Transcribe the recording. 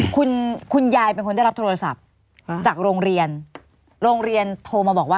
คุณคุณยายเป็นคนได้รับโทรศัพท์จากโรงเรียนโรงเรียนโทรมาบอกว่า